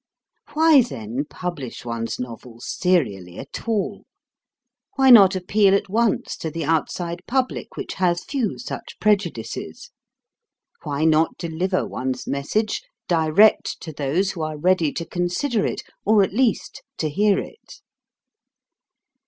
Why, then, publish one's novels serially at all? Why not appeal at once to the outside public, which has few such prejudices? Why not deliver one's message direct to those who are ready to consider it or at least to hear it?